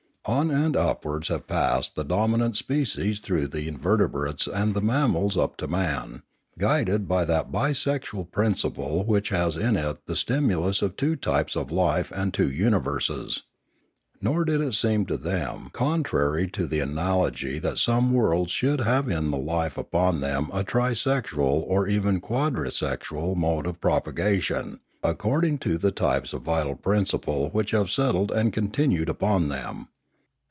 On and upwards have passed the dominant species through the invertebrates and the mammals up to man, guided by that bi sexual principle which has in it the stimulus of two types of life and two universes. Nor did it seem to them con trary to the analogy that some worlds should have in the life upon them a tri sexual or even a quadri sexual mode of propagation, according to the types of vital principle which have settled and continued upon them.